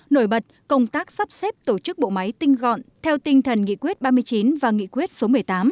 nổi bật công tác sắp xếp tổ chức bộ máy tinh gọn theo tinh thần nghị quyết ba mươi chín và nghị quyết số một mươi tám